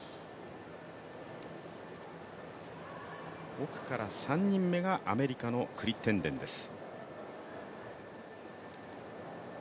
奥から３人目がアメリカのクリッテンデンです。